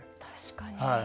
確かに。